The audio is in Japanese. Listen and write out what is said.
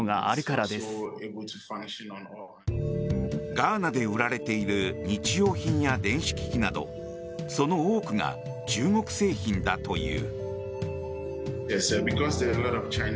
ガーナで売られている日用品や電子機器などその多くが中国製品だという。